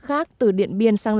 khai nhận tên là lầu a hà